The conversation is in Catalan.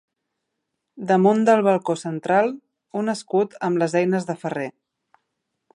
Damunt del balcó central, un escut amb les eines de ferrer.